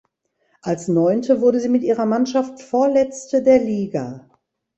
Als Neunte wurde sie mit ihrer Mannschaft Vorletzte der Liga.